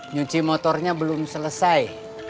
nyuci motornya belum selesai